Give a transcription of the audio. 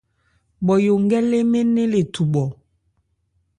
Nmɔyo nkɛ́ lê mɛ́n nnɛn le thubhɔ.